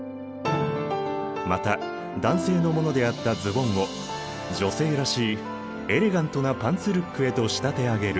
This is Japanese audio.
また男性のものであったズボンを女性らしいエレガントなパンツルックへと仕立て上げる。